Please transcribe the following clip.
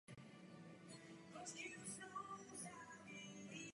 Jinak se demokratický deficit bohužel ještě prohloubí.